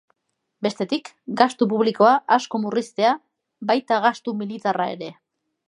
Bestetik, gastu publikoa asko murriztea, baita gastu militarra ere.